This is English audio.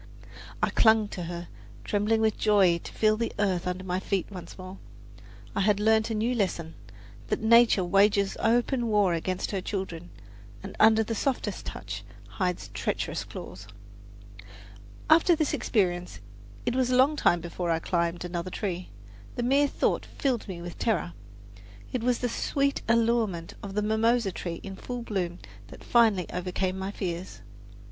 I clung to her, trembling with joy to feel the earth under my feet once more. I had learned a new lesson that nature "wages open war against her children, and under softest touch hides treacherous claws." After this experience it was a long time before I climbed another tree. The mere thought filled me with terror. It was the sweet allurement of the mimosa tree in full bloom that finally overcame my fears.